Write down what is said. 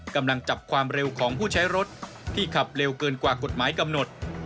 กำลังจับความเร็วของผู้ใช้รถที่ขับเร็วเกินกว่ากฎหมายกำหนด